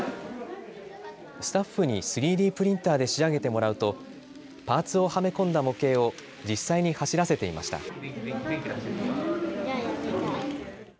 スタッフに３Ｄプリンターで仕上げてもらうとパーツをはめ込んだ模型を実際に走らせていました。